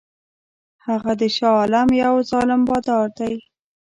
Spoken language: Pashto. هغه د شاه عالم یو ظالم بادار دی.